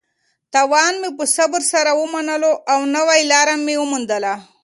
تاوان مې په صبر سره ومنلو او نوې لاره مې وموندله.